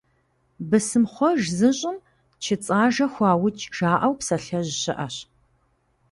«Бысымхъуэж зыщӀым чыцӀ ажэ хуаукӀ», - жаӀэу псалъэжь щыӀэщ.